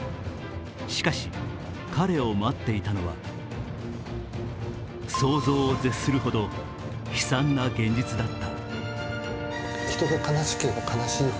しかし、彼を待っていたのは想像を絶するほど悲惨な現実だった。